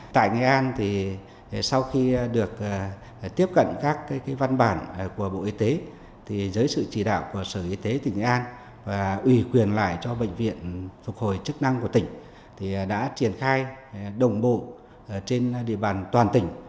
tại nghệ an sau khi được tiếp cận các văn bản của bộ y tế dưới sự chỉ đạo của sở y tế tỉnh nghệ an và ủy quyền lại cho bệnh viện phục hồi chức năng của tỉnh đã triển khai đồng bộ trên địa bàn toàn tỉnh